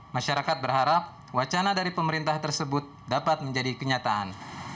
masyarakat berharap wacana dari pemerintah tersebut dapat menjadi kenyataan